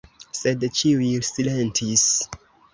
Sed ĉiuj silentis.